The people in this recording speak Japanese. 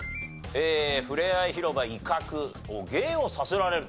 ふれあい広場いかく芸をさせられると。